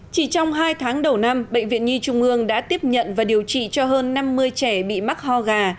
chỉ trong hai tháng đầu năm bệnh viện nhi trung ương đã tiếp nhận và điều trị cho hơn năm mươi trẻ bị mắc ho gà